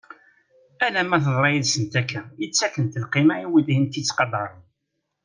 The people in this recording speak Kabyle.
Alamma teḍra yid-sent akka i ttakent lqima i wid i tent-itt-qadaren.